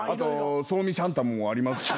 創味シャンタンもありますし。